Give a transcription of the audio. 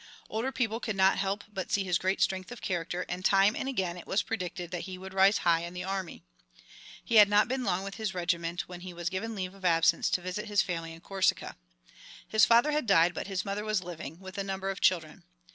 Older people could not help but see his great strength of character, and time and again it was predicted that he would rise high in the army. He had not been long with his regiment when he was given leave of absence to visit his family in Corsica. His father had died, but his mother was living, with a number of children.